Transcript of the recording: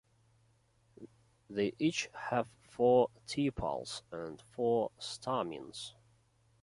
They each have four tepals and four stamens.